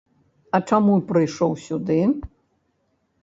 А чаму прыйшоў сюды?